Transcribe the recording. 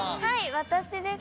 私です。